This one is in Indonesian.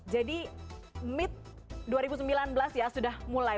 jadi mid dua ribu sembilan belas ya sudah mulai